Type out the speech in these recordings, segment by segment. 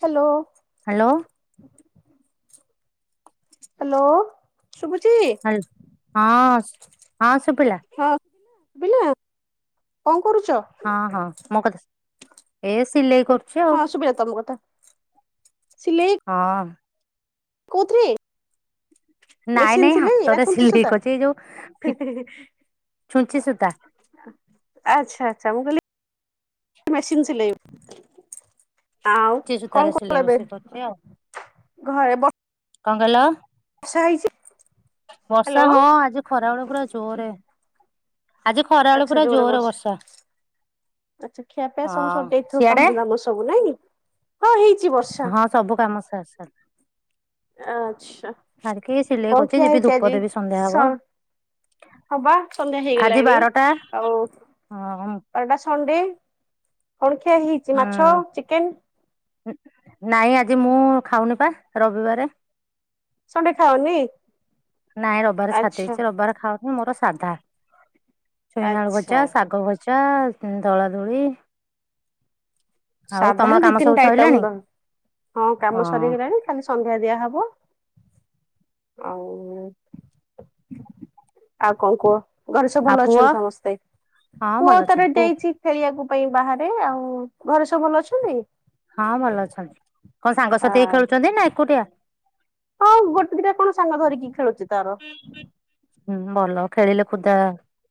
Hello. Hello. Hello. ଶୁଭୁଛି hello ହଁ ହଁ ଶୁଭିଲା ହଁ ଶୁଭିଲା? କଣ କରୁଛ? ହଁ ହଁ ମୋ କଥା ଶୁ ଏ ସିଲେଇ କହିଲି କରୁଛି ଆଉ ହଁ ଶୁଭିଲା ତମ କଥା ହଁ। କୋଉ ଥୀରେ? ନାଇଁ ନାଇଁ ନା ହାତରେ ଛୁଞ୍ଚି ସିଲେଇ ସୂତା? କରୁଛି ଏଇ ଯୋଉ ଫି ଛୁଞ୍ଚି ସୁତା। ଆଚ୍ଛା ଆଚ୍ଛା ମୁଁ କହିଲି ମେସିନ୍ ସିଲେଇ। ଆଉ ଛୁଞ୍ଚି ସୂତାରେ କଣ ସିଲେଇ କରୁଥିଲ ଏବେ ବସେଇ କରୁଛି ଆଉ ଘରେ ବ କଣ କହିଲ, ବର୍ଷା ହ୍ୟାଲୋ ହଁ ଆଜି ଖରା ବେଳ ପୁରା ଜୋରରେ। ଆଜି ଖରାବେଳେ ପୁରା ଜୋରେ ବର୍ଷା। ଆଛା ଖିଆ ପିଆ ସବୁ ହଁ ସରିଯାଇଥିବ ସିଆଡେ କାମ ଦାମ ସବୁ ନାଇଁ? ହଁ ହେଇଛି ବର୍ଷା। ହଁ ସବୁ କାମ ସାର୍ ସାର୍ ଆଚଛା ସାରିକି ସିଲେଇ କଣ କରୁଛି ଖିଆ ଯିବି ହେଇଛି ଧୂପ ଆଜି ଦେବି ସନ୍ଧ୍ୟା ହବ ସ ହବା ସନ୍ଧ୍ୟା ଆଜି ହେଇଗଲାଣି ବାରଟା ଆଉ ହଁ ଆ ଏଟା ସଣ୍ଡେ କଣ ଖିଆ ହେଇଛି ମାଛ, ହୁଁ ଚିକେନ? ନାଇଁ ଆଜି ମୁଁ-ଉ-ଉ ଖାଉନି ପା ରବିବାରେ। ସଣ୍ଡେ ଖାଅନି? ନାଇଁ ରବିବାର ଛାଡି ଆଚ୍ଛା ଦେଇଛି ରବିବାର ଖାଉନି ମୋର ସାଧା। ଛୁଇଁଆଳୁ ଆଚ୍ଛା। ଭଜା, ଶାଗ ଭ ଜା ଉଁ ଦଳା ଦଳି। ଆଉ ତମର ସାଧାରେ ଦି କାମ ସବୁ ତିନିଟା ଆଇଟମ୍ ସରିଲାଣି? ରହେ। ହଁ କାମ ସରିଗଲାଣି। ଖାଲି ସନ୍ଧ୍ୟା ଦିଆ ହବ। ଆଉ-ଉ-ଉ ଆଉ କଣ କୁହ, ଘରେ ସବୁ ଆଉ ଭଲ ପୁଅ ଅଛନ୍ତି ସମସ୍ତେ? ହଁ ଭଲ ପୁଅ ଅଛନ୍ତି ତାର ପୁ ଡେଇଛି ଖେଳିବାକୁ ପାଇଁ ବାହାରେ ଆଉ-ଉ-ଉ। ଘରେ ସବୁ ଭଲ ଅଛନ୍ତି? ହଁ ଭଲ ଅଛନ୍ତି କଣ ଆ ସାଙ୍ଗସାଥି ହେଇ ଖେଳୁଛନ୍ତି ନା ଏକୁଟିଆ? ହଁ ଗୋଟେ ଦିଟା କଣ ସାଙ୍ଗ ଧରିକି ଖେଳୁଛି ତାର। ହୁଁ ଭଲ ଖେଳିଲେ ଖୁଦା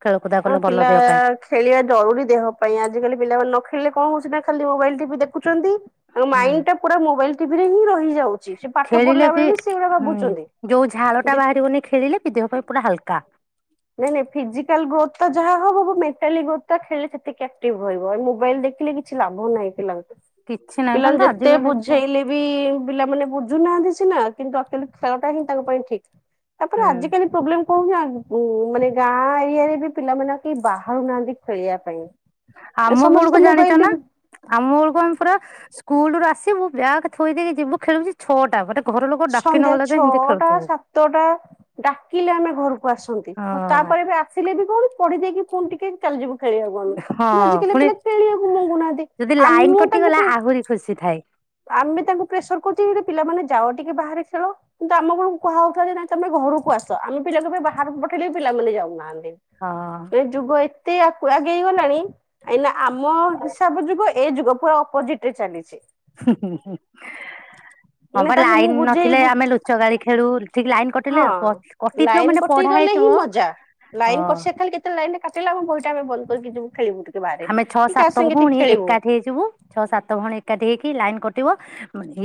ଖେଳକୁୁଦା ଆମ କଲେ ଭଲ ପିଲା ଦେହ ପାଇଁ। ଖେଳିବା ଜରୁରୀ ଦେହ ପାଇଁ ଆଜିକାଲି ପିଲାମାନେ ନ ଖେଳିଲେ କଣ ହଉଛି ନା ଖାଲି ମୋବାଇଲ ଟିବି ଦେଖୁଛନ୍ତି। ଆଉ ହୁଁ ମାଇଣ୍ଡ ଟା ପୁରା ମୋବାଇଲ ଟିଭି ରେ ହିଁ ରହିଯାଉ। ଖେଳିଲେ ବି ହୁଁ ଯୋଉ ଝାଳ ଟା ଯେ ବାହାରିବନି ଖେଳିଲେ ବି ଦେହ ପାଇଁ ପୁରା ହାଲକା। ନାଇଁ ନାଇ ଫିଜିକାଲ ଗ୍ରୋଥଟା ଯାହା ହବ ବ ମେଣ୍ଟାଲି ଗ୍ରୋଥଟା ଖେଳିଲେ ସେତିକି ଆକ୍ଟିଭ ରହିବ ଏ ମୋବାଇଲ ଦେଖିଲେ କି କିଛି ଲାଭ ନାହିଁ ପିଲାଙ୍କୁ। କିଛି ନାହିଁ ଖାଲି ତ ପିଲାଙ୍କୁ ଯେତେ ଆଜିକାଲି ଛୁଆ ବୁଝେଇଲେ ବି-ଇ-ଇ ପିଲାମାନେ ବୁଝୁନାହାନ୍ତି ସିନା କିନ୍ତୁ ଆକ୍ଚୁଆଲୀ ଖେଳଟା ହିଁ ତାଙ୍କ ପାଇଁ ଠିକ। ତାପରେ ହୁଁ ଆଜିକାଲି ପ୍ରୋବ୍ଲେମ୍ କଣ କି ଆ ଉଁ-ଉ ମାନେ ଗାଁ ଏରିଆରେ ବି ପିଲାମାନେ ଆଉ କେହି ବାହାରୁ ନାହାନ୍ତି ଖେଳିବା ପାଇଁ। ଆମ ସମସ୍ତେ ବେଳକୁ ତ ଜାଣିଛ ନା ମୋବାଇଲ ଆମ ବେଳକୁ ଆମେ ପୁରା ସ୍କୁଲୁରୁ ଆସିବୁ ବ୍ୟାଗ ଥୋଇ ଦେଇକି ଯିବୁ ଖେଳିବୁ ଯେ ଛଅଟା ମାନେ ସନ୍ଧ୍ୟା ଛଅଟା ସାତଟା ଡାକିଲେ ଆମେ ଘରକୁ ଆସନ୍ତି ହଁ ତାପରେ ଏବେ ଆସିଲେ ବି କଣ ପଢି ଦେଇକି ପୁଣି ଟିକେ ଚାଲି ଯିବୁ ଖେଳିବାକୁ ଆମେ କିନ୍ତୁ ହଁ ଆଜିିକାଲି ପୁଣି ପିଲା ଖେଳିବାକୁ ମଙ୍ଗୁନାହାନ୍ତି ଯଦି ଆମ ଲାଇନ ମୁଁ ତାଙ୍କୁ କଟିଗଲା ପ୍ରେ ଆହୁରି ଖୁସି ଥାଏ। ଆମେ ତାଙ୍କୁ ପ୍ରେସର କରୁଛେ କି କିରେ ପିଲାମାନେ ଯାଅ ଟିକେ ବାହାରେ ଖେଳ। କିନ୍ତୁ ଆମ କଣଙ୍କୁ କୁହାଯାଉଥିଲା ଯେ ନାଇଁ ତମେ ଘରକୁ ଆସ ଆମେ ପିଲାକୁ ବି ବାହାରକୁ ପଠେଇଲେ ବି ପିଲାମାନେ ଯାଉନାହାନ୍ତି। ହଁ-ଅ। ଏ ଯୁଗ ଏତେ ଆଗ୍ ଆଗେଇ ଗଲାଣି ଏଇନା ଆମ ହିସାବ ଯୁଗ ଏଇ ଯୁଗ ପୁରା ଅପୋଜିଟ ରେ ଚାଲିଛି। ହୁଁ ହୁଁ। ହଁ ମାନେ ବା ତାଙ୍କୁ ମୁଁ ଲାଇନ ନଥିଲେ ବୁଝେଇ ଆମେ ଲୁଚ କାଳି ଖେଳୁ ଠିକ ଲାଇନ କଟିଲେ କ କଟିଥିବ ମାନେ କଟି ପଢା ଗଲେ ହେଇଥିବ ହିଁ ମଜା ଲାଇନ ହଁ କସ ଖାଲି କେତେ ଲାଇନରେ କଟିଲା ଆମ ବହିଟା ଆମେ ବନ୍ଦ କରିକି ଯିବୁ ଖେଳିବୁ ଟିକେ। ବାହାରେ ଆମେ ଛଅ କି କାହା ସାତ ସାଙ୍ଗେ ଟିକେ ଭଉଣୀ ଖେଳିବୁ ଏକାଠି ହେଇଯିବୁ। ଛଅ ସାତ ଭଉଣୀ ଏକାଠି ହେଇକି ଲାଇନ କଟିବ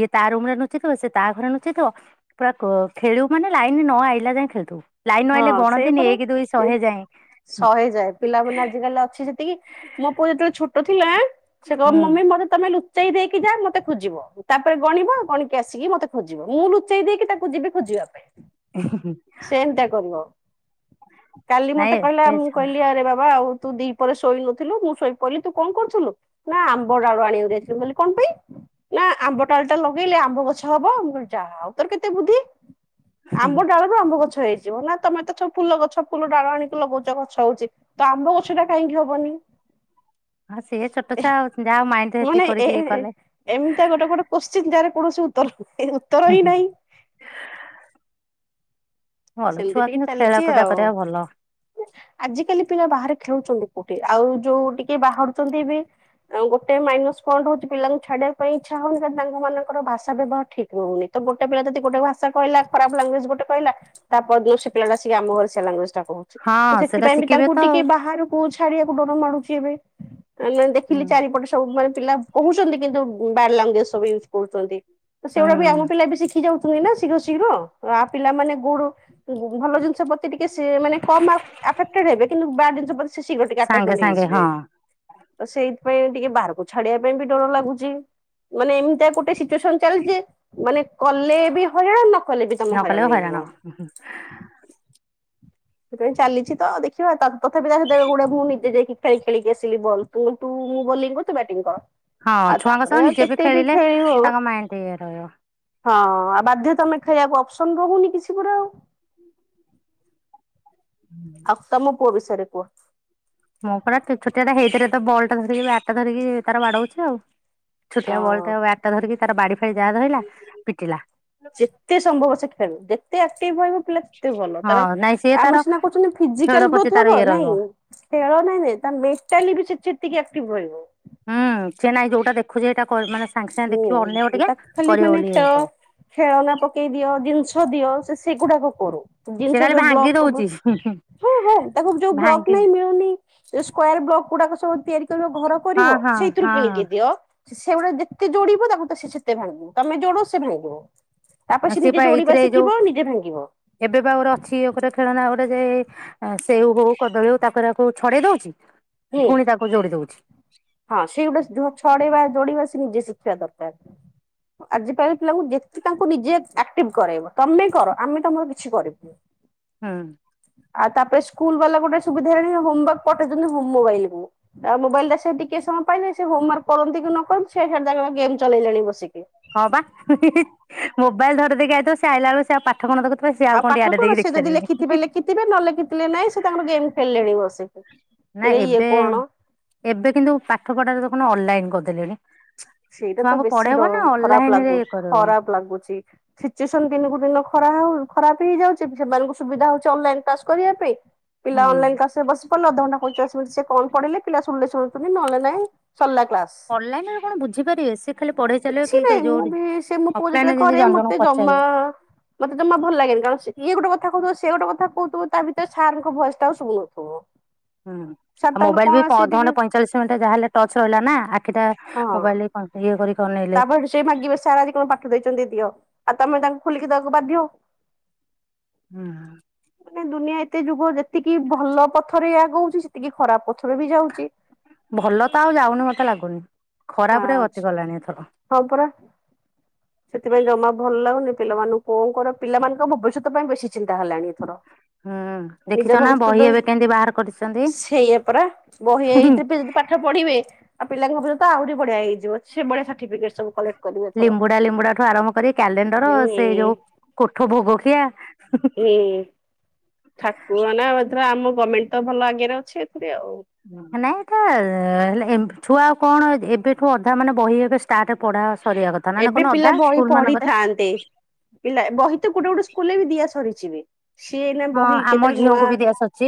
ଇଏ ତା ରୁମ ରେ ନୁଚିଥିବ ସେ ତା ଘରେ ନୁଚିଥିବ ପୁରା କ ଖେଳିବୁ ମାନେ ଲାଇନ ନ ଆଇଲା ଯାଏଁ ଖେଳୁୁଥିବୁ ଲାଇନ ନ ଆଇଲେ ଗଣତିନି ଏକ ଦୁଇ ଶହେ ଯାଏଁ। ଶହେଯାଏ ପିଲାମାନେ ଆଜି କାଲି ଅଛି ସେତିକି ମୋ ପୁଅ ଯେତେବେଳେ ଛୋଟ ଥିଲାଁ ସେ କହେ ହୁଁ ମମି ମତେ ତମେ ଲୁଚେଇ ଦେଇକି ଯା ମତେ ଖୋଜିବ। ତାପରେ ଗଣିବ ଗଣିକି ଆସିକି ମତେ ଖୋଜିବ ମୁଁ ଲୁଚେଇ ଦେଇକି ତାକୁ ଯିବି ଖୋଜିବା ପାଇଁ। ଉ ହ ହ। ସେମିତିଆ କରିବ, କାଲି ନାଇଁ ମତେ କହିଲା ଏବେ ମୁଁ ଛୁଆ କହିଲି ଆରେ ବାବା ଆଉ ତୁ ଦି ପହରେ ଶୋଇ ନଥିଲୁ ମୁଁ ଶୋଇ ପଡିଲି ତୁ କଣ କରୁଥିଲୁ ନା ଆମ୍ବ ଡାଳ ଆଣିବାକୁ ଯାଇଥିଲି। ମୁ କହିଲି କଣ ପାଇଁ? ନା ଆମ୍ବ ଟାଳ ଟା ଲଗେଇଲେ ଆମ୍ବ ଗଛ ହବ ମୁ ଯାହା ଆଉ ତୋର କେତେ ବୁଦ୍ଧି। ହୁଁ। ଆମ୍ବ ଡାଳରୁ ଆମ୍ବ ଗଛ ହେଇଯିବ। ନା ତମେ ତ ସବୁ ଫୁଲ ଗଛ ଫୁଲ ଡାଳ ଆଣିକି ଲଗଉଛ ଗଛ ହଉଛି। ତ ଆମ୍ବ ଗଛ ଟା କାହିଁକି ହବନି। ହଁ ସିଏ ଛୋଟ ଛୁଆ ଆଉ ଯାହାଉ ମାଇଣ୍ଡ ମାନେ ଏତିକି ଏ କରିକି ଇଏ କଲେ। ଏମିତିଆ ଗୋଟେ ଗୋଟେ କୋଶ୍ଚିନ୍ ଯାର କୌଣସି ଉତ୍ତର ଉତ୍ତର ହୁଁ ହିଁ ହୁଁ। ନାହିଁ। ଭଲ ସେମିତି ଛୁଆ ଟିକେ କିନ୍ତୁ ଚାଲିଛି ଖେଳାକୁଦା ଆଉ। କରିବା ଭଲ ଆଜିକାଲି ପିଲା ବାହାରେ ଖେଳୁଛନ୍ତି କୋଉଠି, ଆଉ ଯୋଉ ଟିକେ ବାହାରୁଛନ୍ତି ବି ଆଉ ଗୋଟେ ମାଇନସ୍ ପଏଣ୍ଟ୍ ହଉଛି ପିଲାଙ୍କୁ ଛାଡିବା ପାଇଁ ଇଚ୍ଛା ହଉନି କାରଣ ତାଙ୍କ ମାନଙ୍କର ଭାଷା ବ୍ୟବହାର ଠିକ୍ ରହୁନି। ତ ଗୋଟ ପିଲା ଯଦି ଗୋଟୋ ଭାଷା କହିଲା ଖରାପ ଲାଙ୍ଗୁଏଜ୍ ଗୋଟେ କହିଲା ତାପରେ ସେ ପିଲାଟା ଆସିକି ଆମ ଘରେ ସେ ଲାଙ୍ଗୁଏଜ ଟା କହୁଛି ହଁ ତ ସେଟା ସେଥିପାଇ ବି ଶିଖିବେ ତାଙ୍କୁ ତ ଆଉ ଟିକେ ବାହାରୁ କୁ ଛାଡିବାକୁ ଡର ମାଡୁଛି ଏବେ। ଆ ନା ହୁଁ ଦେଖିଲି ଚାରିପଟେ ସବୁ ମାନେ ପିଲା କହୁଛନ୍ତି କିନ୍ତୁ ବ୍ୟାଡ୍ ଲାଙ୍ଗୁଏଜ ସବୁ ୟୁଜ କରୁଛନ୍ତି ହୁଁ ସେଗୁଡା ବି ଆମ ପିଲା ବି ସିଖ୍ ହିଯାଉଥୁଲେ ନା ଶୀଘ୍ର ଶୀଘ୍ର ଆ ପିଲାମାନେ ଗୁଡ଼୍ ତୁ ଯିଦି ଭଲ ଜିନିଷ ପ୍ରତି ଟିକେ ସେ ମାନେ କମ ଆ ଆଫେକ୍ଟେଡ଼ ହେବେ କିନ୍ତୁ ବ୍ୟାଡ଼୍ ଜିନିଷ ପ୍ରତି ସେ ଶୀଘ୍ର ଟିକେ ସାଙ୍ଗେ ଆଟାଚମେଣ୍ଟ୍ ସାଙ୍ଗେ ହେଇଯିବେ। ହଁ ତ ସେଇଥିପାଇଁ ଟିକେ ବାହାରୁକୁ ଛାଡ଼ିବା ପାଇଁ ବି ଡର ଲାଗୁଚି। ମାନେ ଏମିତିଆ ଗୋଟେ ସିଚୁଏସନ୍ ଚାଲିଚି ମାନେ କଲେ ବି ହଇରାଣ ନ କଲେ ବି ନ ତମ କଲେ ହଇରାଣ ହେଇଯିବ। ସେଥିପାଇଁ ଚାଲିଛି ତ ଦେଖିବା ତା ତଥାପି ତା ଏବେ ଗୋଡ଼େ ମୁଁ ନିଜେ ଯାଇକି ଖେଳ ଖେଳିକି ଆସିଲି ବଲ୍। ତୁ ତୁ ମୁଁ ବୋଲିଂ କରୁ ତୁ ବ୍ୟାଟିଂ କର। ହଁ ଆଉ ଛୁଆଙ୍କ ତାପରେ ସହ ଆଉ ନିଜେ ବି କେତେ ଖେଳିଲେ ଖେଳିବ ତାଙ୍କ ମାଇଣ୍ଡ୍ ଇଏ ରହିବ। ହଁ ଆଉ ବାଧ୍ୟ ତମେ ଖେଳିବାକୁ ଅପ୍ସନ୍ ରହୁନି କିଛି ପରା ଆଉ। ହୁଁ। ଆଉ ତମ ପୁଅ ବିଷୟରେ କୁହ। ମୋ ପୁଅଟା ତେ ଛୋଟିଆଟା ହେଇଥେରେ ତ ବଲ୍ ଟା ଧରିକି ବ୍ୟାଟ୍ ଟା ଧରିକି ହେ ତାର ବାଡ଼ଉଚୀ ଆଉ। ଅ ଛୋଟିଆ ବଲ୍ ଟା ଆଉ ବ୍ୟାଟ୍ ଟା ଧରିକି ତାର ବାଡ଼ି ଫାଡ଼ି ଯାହା ଧଇଲା ପିଟିଲା। ଯେତେ ସମ୍ଭବ ସେ ଖେଳୁ ଯେତେ ଆକ୍ଟିଭ୍ ରହିବ ପିଲା ସେତେ ଭଲ ହଁ ତାର ନାଇଁ ସିଏ ତାର ଆମେ ସିନା କହୁଚନ୍ତି ଖେଳ ଫିଜିକାଲ୍ ପ୍ରତି ଗ୍ରୋଥ୍ ତାର ହବ ଇଏ ରହିବ। ନାଇଁ ଖେଳ ନାଇଁ ନାଇଁ ତା ମେଟାଲି ବି ସେ ସେତିକି ଆକ୍ଟିଭ୍ ରହିବ। ହୁଁ ସେ ନାଇଁ ଯୋଉଟା ଦେଖୁଚି ହେଇଟା କ ମାନେ ସାଙ୍ଗେ ସାଙ୍ଗେ ହୁଁ ଦେଖିବ ଅନେଇବ ଉଁ ଟିକେ ତାକୁ ଖାଲି କରିବ ମାନେ ବୋଲି ଇଏ ଖେଳ ହଉଥିବ। ଖେଳନା ପକେଇ ଦିଅ ଜିନିଷ ଦିଅ ସେ ସେଗୁଡ଼ାକ କରୁ। ସେ ଜିନିଷ ଖାଲି ଯୋଉ ଭାଙ୍ଗି ବ୍ଲକ୍ କୁ ବୁ ଦଉଛି ହୁଁ ହୁଁ ତାକୁ ଯୋଉ ବ୍ଲକ୍ ଭାଙ୍ଗି ନାଇଁ ମିଳୁନି ସେ ସ୍କୋୟାର୍ ବ୍ଲକ ଗୁଡ଼ାକ ସବୁ ତିଆରି କରିବ ଘର କରିବ ହଁ ହଁ ସେଇଥୁରୁ କିଣିକି ହଁ ଦିଅ ସେଉଡ଼ା ଯେ ତେ ଯୋଡ଼ିବ ତାକୁ ତ ସେ ସେତେ ଭାଙ୍ଗିବ ତମେ ଯୋଡ଼ୁ ସେ ଭାଙ୍ଗିବ। ତାପରେ ସେ ସିଏ ନିଜେ ପା ଯୋଡ଼ିବା ଏଇଥିରେ ଏଇ ଯୋଉ ଶିକିବ ନିଜେ ଭାଙ୍ଗିବ। ଏବେ ପା ଗୁରେ ଅଛି ଓପରେ ଖେଳନା ଓଡ଼େ ଯେ ଏଁ ସେଉ ହଉ କଦଳୀ ହଉ ତାକୁ ରାକୁ ଛଡ଼େଇ ଦଉଛି ହୁଁ। ଫୁଣି ତାକୁ ଯୋଡ଼ି ଦଉଛି। ହଁ ସିଏ ଗୋଟେ ଯୋଉ ଛଡ଼େଇବା ଯୋଡ଼ିବା ସିଏ ନିଜେ ଶିଖିବା ଦରକାର। ଆଜି ପାଇଁ ପିଲାଙ୍କୁ ଯେତେ ତାଙ୍କୁ ନିଜେ ଆକ୍ଟିଭ୍ କରେଇବ ତମେ କର ଆମେ ତମର କିଛି କରିବୁନି। ହଁ। ଆଉ ତାପରେ ସ୍କୁଲ୍ ବାଲା ଗୋଟେ ସୁବିଧା ହେୟାଣି ହୋମୱାକ୍ ପଠେଇଦୋଉଚନ୍ତି ହୋ ମୋବାଇଲ୍ କୁ। ଆଉ ମୋବାଇଲ୍ ଟା ସେ ଟିକେ ସମୟ ପାଇଲେ ସେ ହୋମୱାର୍କ କରନ୍ତି କି ନ କର ସେ ହେଣେ ତାଙ୍କର ଗେମ୍ ଚଲେଇଲେଣି ବସିକି। ହଁ ପା ମୋବାଇଲ୍ ଧରେଇଦେଇକି ଆଇଥିବ ସେ ଆଇଲା ଅଳୁ ସେ ଆଉ ପା ଠ କଣ ଦେଖଥୁବେ ସିଏ ଆଉ କଣ ଟିକେ ଆଡ଼େଇ ଦେଇକି ଦେଖିସାରିବେଣି। ଥିବେ ନ ଲେଖିଥିଲେ ନାଇଁ ସେ ତାଙ୍କର ଗେମ୍ ଖେଳିଲେଣି ବସିକି। ନାଁ କିରେ ଇଏ ଏବେ କଣ ଏବେ କିନ୍ତୁ ପାଠ ପଢ଼ାରେ ଦେଖୁନ ଅନଲାଇନ୍ କରିଦେଲେଣି। ସେଇଟା ତ ଛୁଆଙ୍କୁ ବେଶୀ ର ପଢେଇବ ନା ଖରାପ ଅନଲାଇନ ରେ ଲାଗୁ ଇଏ କରିବ ଖରାପ ଲାଗୁଚି। ସିଚୁଏସନ୍ ଦିନୁକୁ ଦିନ ଖରା ହୋଉ ଖରାପ ହେଇଯାଉଚି ସେମାନଙ୍କୁ ସୁବିଧା ହଉଚି ଅନଲାଇନ୍ କ୍ଲାସ୍ କରିବା ପାଇଁ। ପିଲା ହୁଁ ଅନଲାଇନ୍ କ୍ଲାସ୍ ରେ ବସି ପଡ଼ଲା ଅଧଘଣ୍ଟା ପଇଁଚାଳିଶ ମିଣ୍ଟି ସିଏ କଣ ପଢ଼େଇଲେ ପିଲା ଶୁଣିଲେ ଶୁ ତୁନି ନଲେ ନାଇଁ ସରଲା କ୍ଲାସ୍। ଅନଲାଇନ ରେ କଣ ବୁଝି ପାରିବେ ସେ ଖାଲି ପଢେଇ ଚାଲିବ କିଛି ନାଇଁ କି ଯୋଉ ମୁଁ ବି ସେ ମୋ ପୁଅ ଯେତୋଳେ ଅଫଲାଇନରେ ଯେମିତି କରେ ଜଣ ଜଣଙ୍କୁ ମତେ ଜମା ପଚାରିବେ ମତେ ଜମା ଭଲ ଲାଗେନି କାଣ ସେ ଇଏ ଗୋଟେ କଥା କହୁଥିବ ସିଏ ଗୋଟ କଥା କହୁଥିବ ତା ଭିତରେ ସାର୍ ଙ୍କ ଭଏସ୍ ଟା ଉ ଶୁବୁ ନଥୁବ। [inaudible] ହୁଁ ଆଉ ମୋବାଇଲ୍ ବି ପ ଅଧଘଣ୍ଟେ ପଇଁଚାଳିଶ ମିଣ୍ଟି ଯାହା ହେଲେ ଟଚ୍ ରହିଲା ନାଁ ଆଖିଟା ହଁ ମୋବାଇଲ୍ ଅର ଇଏ କରିକି ନେଇଲେ। ତାପରେ ସେ ମାଗିବେ ସାର୍ ଆଜି କଣ ପାଠ ଦେଇଚନ୍ତି ଦିଅ ଆଉ ତମେ ତାଙ୍କୁ ଖୋଲିକି ଦବାକୁ ବାଧ୍ୟ। ହୁଁ ଆ। ନାଇଁ ଦୁନିଆ ଏତେ ଯୁଗ ଯେତିକି ଭଲ ପଥରେ ଆଗଉଚି ସେତିକି ଖରାପ ପଥରରେ ବି ଯାଉଚି। ଭଲ ତ ଆଉ ଯାଉନି ମତେ ଲାଗୁନି ଖରାପରେ ଗତି କଲାଣି ଏଥର। ହଁ ପରା। ସେଥିପାଇଁ ଜମା ଭଲ ଲାଗୁନି ପିଲାମାନଙ୍କୁ କଣ କର ପିଲାମାନଙ୍କ ଭବିଷ୍ୟତ ପାଇଁ ବେଶୀ ଚିନ୍ତା ହେଲାଣି ଏଥର। ହୁଁ ନିଜ ଦେଖିଛ ନା ଭବିଷ୍ୟ ବହି ତ ଏବେ କେମିତି ବାହାର କରିଛନ୍ତି ସେଇଆ ପରା ବହି ହୁଁ ହୁଁ ଏଇଥି ପି ପାଠ ପଢିବେ ଆଉ ପିଲାଙ୍କ ଭବିଷତ ଆହୁରି ବଢିଆ ହେଇଯିବ ସେ ବଢିଆ ସଟିଫିକେଟ ସବୁ କଲେକ୍ଟ କରିବେ ଏଥର। ଲିମ୍ବୁଡା ଲିମ୍ବୁଡା ଠୁ ଆରମ୍ଭ କରି କ୍ୟାଲେଣ୍ଡର ସେ ଯୋଉ ହୁଁ କୋଠ ଭୋଗଖିଆ। ହୁଁ ହୁଁ [unintelligible] ଠାକୁର ନା ଏଥର ଆମ ଗମେଣ୍ଟ ତ ଭଲ ଆଗରେ ଅଛି ଏଥିରେ ଆଉ। ନାଇଁଏଟା ହେଲେ ଛୁଆ ଆଉ କଣ ଏବେଠୁ ଅଧା ମାନେ ବହି ଏବେ ଷ୍ଟାର୍ଟ ପଢା ସରିବା କଥ ଏବେ ପିଲା ବହି ପଢିଥାନ୍ତେ ପିଲା ବହି ତ ଗୋଟେ ଗୋଟେ ସ୍କୁଲରେ ବି ଦିଆ ସରିଛି। ବି ସିଏଇନା ହଁ ବହି ଆମ କେତେବେଳେ ଝିଅଙ୍କୁ ନୂଆ ବି ଦିଆ ସରିଛି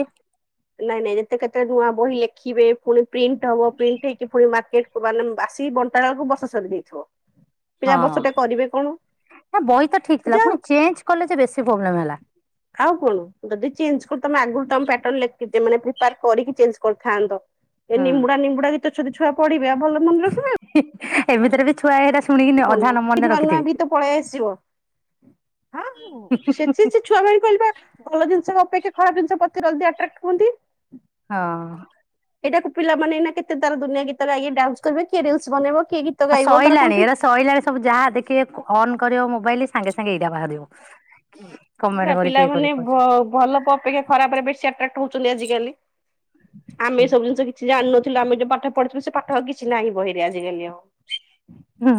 ନାଇଁ ନାଇଁ ଯେତେ କେତେ ନୂଆ ବହିି ଲେଖିବେ ଫୁଣି ପ୍ରିଣ୍ଟ ହବ ପ୍ରିଣ୍ଟ ହେଇକି ପୁଣି ମାର୍କେଟ [unintelligible] ଆସିକି ବଣ୍ଟା ହେବାକୁ ବସ ସରି ଯାଇଥିବ। ପିଲା ହଁ ବର୍ଷଟେ କରିବେ କଣ? ନା ବହି ତ ଠିକ ଥିଲା ଯାଅ ପୁଣି ଚେଞ୍ଜ କଲେ ଯେ ବେଶୀ ପ୍ରୋବ୍ଲେମ ହେଲା। ଆଉ କଣ ଯଦି ଚେଞ୍ଜ ତମେ ଆଗରୁ ତମେ ପାଟର୍ନ ଲେଖି ମାନେ ପ୍ରିପାର କରିକି ଚେଞ୍ଜ କରିଥାନ୍ତ। ଏ ହୁଁ ନିମୁଡ଼ା ନିମୁଡ଼ା ଗୀତ ଛୋଟଛୁଆ ପଢିବେ ଆ ଭଲମନେ ରଖିବେ। ଏ ମିତିରେ ବି ଛୁଆ ଏରା ଶୁଣିକିନି କଣ ଅଧା ନ ମନେ ନୂଆ ନୂଆ ଗୀତ ରଖିଥିବେ। ପଳେଇ ଆସିବ। ହ ହ। ସେଥି ସେ ଛୁଆ ମ କହିବା ଭଲ ଜିନିଷ ଅପେକ୍ଷା ଖରାପ ଜିନିଷ [unintelligible] ଅକ୍ଟ୍ରଟ ହୁଅନ୍ତେ। ହଁ। ଏଇଟା ପିଲମାନେ ନା କେତେ ତାର ଦୁନିଆଁ ଗୀତ ଲାଗି ଡାନ୍ସ କରିବ କିଏ ରିଲସ ବନେଇବ କିଏ ରି ହଁ ଶଇଲାଣି ଏରା ଶଇଲାଣି। ସବୁ ଯାହା ଦେଖିବେ ଅନ୍ କରିବ ମୋବାଇଲ ସାଙ୍ଗେ ସାଙ୍ଗେ ଏଇଟା ବାହାରିବ। ପୁରା କମେଣ୍ଟ କରି କିଏ କରି ପିଲାମାନେ ଭ କହୁଛନ୍ତି ଭଲ ଅପେକ୍ଷା ଖରାପରେ ବେଶୀ ଆଟ୍ରାକ୍ଟ ହଉଛନ୍ତି ଆଜିକାଲି ଆମେ ସବୁ ଏ ଜିନିଷ କିଛି ଜାଣିନୁ। ଥିଲ ଆମେ ଯୋଉ ପାଠ ପଢିଥିଲୁ ସେ ପାଠ ଆଉ କିଛି ନାହିଁ ବହିରେ ଆଜିକାଲି ଆଉ। ହଁ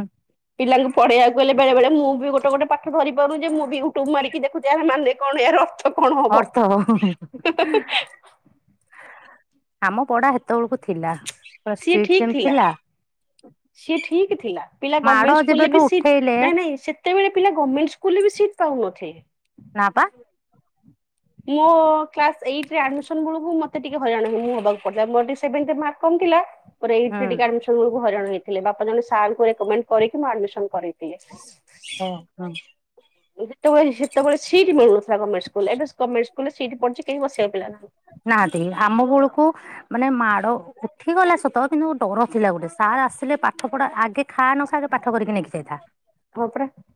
ପିଲାଙ୍କୁ ପଢେଇଆକୁ ହେଲେ ବେଳେ ବେଳେ ମୁଁ ବି ଗୋଟେ ଗୋଟ ପାଠ ଧରି ପାରୁନି ଯେ ମୁଁ ବି ୟୁଟୁବ ମାରି ଦେଖୁଛି ଆର ମାନେ କଣ ଏହାର ଅର୍ଥ କଣ ହବ। ଅର୍ଥ ଆମ ପଢା ହେତବେଳକୁ ଥିଲା ପୁରା ସିଏ ଷ୍ଟିଟ ଠିକ ଯେମତି ଥିଲା। ସିଏ ଠିକ ଥିଲା ପିଲା ମାଡ ଗମେଣ୍ଟ ସ୍କୁଲରେ ଯେବେଠୁ ବି ସି ଉଠେଇଲେ ନାଇଁ ନାଇଁ ସେତେବେଳେ ପିଲା ଗମେଣ୍ଟ ସ୍କୁଲରେ ବି ସିଟ୍ ପାଉନଥି ନା ପା। ମୁ କ୍ଲାସ ଏଇଟି ରେ ଆଡମିଶନ୍ ମତେ ଟିକେ ହଇରାଣ ହବାକୁ ପଡିଥିଲା ମୋର ମାର୍କ କମ ଥିଲା। ମୁ ଏଇଟ ହୁଁ ରେ ଟିକେ ଆଡମିଶନ୍ ବୋଲୁକୁ ହଇରାଣ ହେଇଥିଲି ବାପା ଜଣେ ସାର ଙ୍କୁ କହିକି ଆଡ଼ମିସନ କରିଥିଲେ। ହଁ ହୁଁ ଯେତେବେଳେ ସେତବେଳେ ସିଟ ମିଳୁନଥିଲା ଗମେଣ୍ଟ ସ୍କୁଲ ଏବେ ସବୁ ଗମେଣ୍ଟ ସ୍କୁଲରେ ସିଟ ପଢିଚି କେହି ବସିବାକୁ ପିଲାନାହାନ୍ତି ନାହାନ୍ତି ଆମ ବେଳକୁ ମାନେ ମାଡ ଉଠି ଗଲା ସତ କିନ୍ତୁ ଡର ଥିଲା ଗୋଟେ ସାର୍ ଆସିଲେ ପାଠ ପଢା ଆଗେ ଖା ନଖା ଆଗ ପାଠ କରିକି ନେଇକି ଯାଇଥା [unintelligible]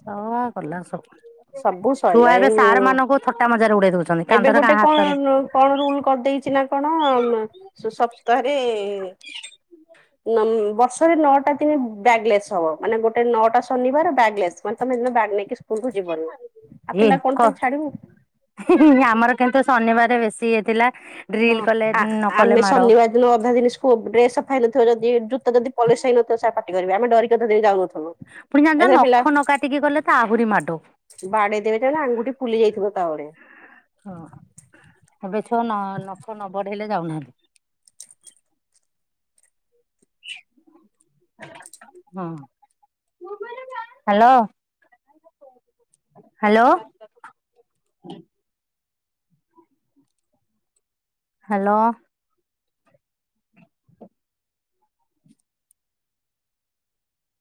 ସ କଲା ସବୁ [unintelligible] ସବୁ ସଇଲା ଛୁଆ ଏ ଏବେ ସାର ମାନଙ୍କୁ ଥଟା ମଜାରେ ଉଡେଇ ଦଉଛନ୍ତି ଏବେ କାନ୍ଧର ଗୋଟେ କାହା ହାତରେ କଣ କଣ ରୁଲ କରିଦେଇଛି ନା କଣ ମା ସପ୍ତାହରେ ନମ ବର୍ଷରେ ନଅଟା ଦିନି ବ୍ୟାଗଲେସ୍ ହବ ମାନେ ଗୋଟେ ନଅଟା ଶନିବାର ବ୍ୟାଗଲେସ୍ ମାନେ ତମେ ହେଦିନ ବ୍ୟାଗ ନେଇକି ସ୍କୁଲକୁ ଯିବନି ଆଉ ପିଲା କଣ ପାଇଁ ଛାଡିବୁ। ହୁଁ ହୁଁ ଆମର କିନ୍ତୁ ଶନିବାର ବେଶୀ ଇଏ ଥିଲା ଡ୍ରିଲ କଲେ ନ କଲେ ମାଡ଼। ଦ ଅଧା ଦିନ ଡ୍ରେସ ସଫା ହେଇନଥିବ ଯଦି ଜୋତା ପଲିସ ହେଇନଥିବ ସାର୍ ପାଟି କରିବେ ଆମେ ଡ଼ରିକି ଯାଉନଥିଲୁ। ପୁଣି ଜାଣିଛ ଏଥିରେ ନଖ ନ କାଟିକି ଗଲେ ତ ଆହୁରି ମାଡ। ବାଡ଼େଇ ଦେବେ ଯେ ଆଙ୍ଗୁଠି ଫୁଲି ଯାଇଥିବ ଏକାବେଳେ। ହଁ ଏବେ ଛୁଅ ନ-ନଖ ନ ବଢ଼େଇଲେ ଯାଉନାହାନ୍ତି। ହଁ ହ୍ୟାଲୋ ହ୍ୟାଲୋ। ହ୍ୟାଲୋ।